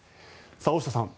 大下さん